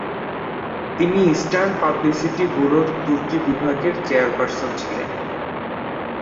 তিনি Eastern Publicity ব্যুরোর তুর্কি বিভাগের চেয়ারপার্সন ছিলেন।